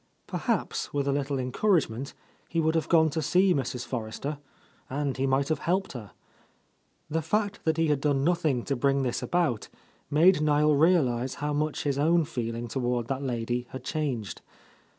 Perhaps, with a little encouragement, he would have gone to see Mrs. Forrester, and he might have helped her. The fact that he had done nothing to bring this about, made Niel realize how much his own feeling toward that lady had changed.